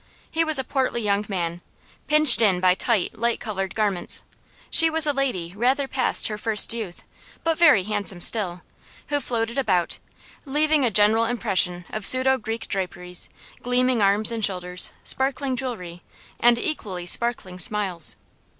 He was a portly young man, pinched in by tight light coloured garments. She was a lady rather past her first youth, but very handsome still, who floated about, leaving a general impression of pseudo Greek draperies, gleaming arms and shoulders, sparkling jewellery, and equally sparkling smiles.